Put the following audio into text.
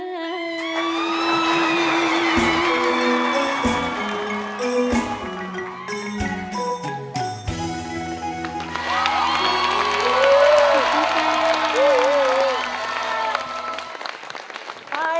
ก็ยังไม่เห็นดวงจาก